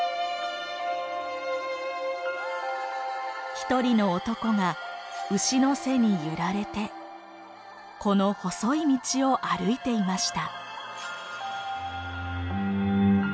一人の男が牛の背に揺られてこの細い道を歩いていました。